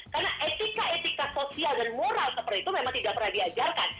karena etika etika sosial dan moral seperti itu memang tidak pernah diajarkan